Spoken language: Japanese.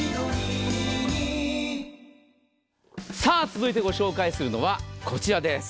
続いてご紹介するのはこちらです。